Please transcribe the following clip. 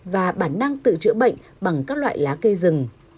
và bản năng tự chữa bệnh bằng các loại lá cây rừng